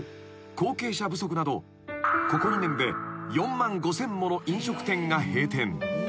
後継者不足などここ２年で４万５，０００もの飲食店が閉店］